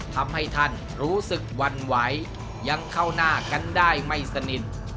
ทำให้ท่านรู้สึกหวั่นไหวยังเข้าหน้ากันได้ไม่สนิท